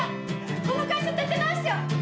この会社立て直してよね？